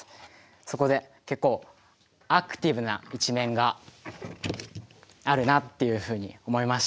そこで結構アクティブな一面があるなっていうふうに思いました。